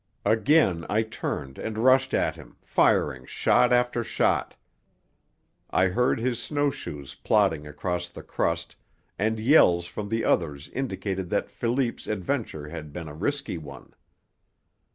Again I turned and rushed at him, firing shot after shot. I heard his snow shoes plodding across the crust, and yells from the others indicated that Philippe's adventure had been a risky one.